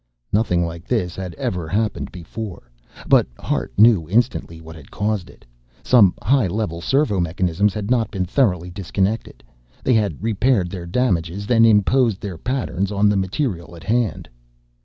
Nothing like this had ever happened before. But Hart knew instantly what had caused it. Some high level servo mechanisms had not been thoroughly disconnected. They had repaired their damages, then imposed their patterns on the material at hand.